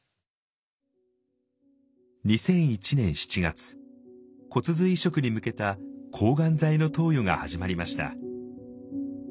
２００１年７月骨髄移植に向けた抗がん剤の投与が始まりました。